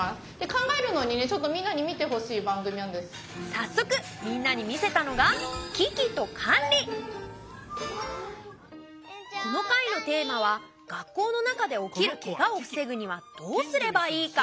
早速みんなに見せたのがこの回のテーマは「学校の中でおきるケガをふせぐにはどうすればいいか？」。